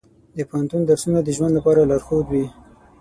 د پوهنتون درسونه د ژوند لپاره لارښود وي.